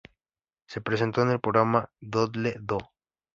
Se presentó en el programa "Doodle Do".